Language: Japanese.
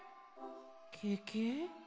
ケケ？